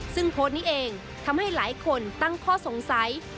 ซึ่งโพสต์นี้เองทำให้หลายคนตั้งข้อสงสัย